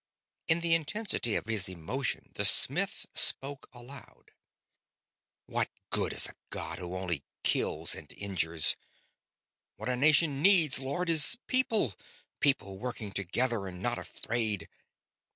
In the intensity of his emotion the smith spoke aloud. "What good is a god who only kills and injures? What a nation needs, Lord, is people people working together and not afraid.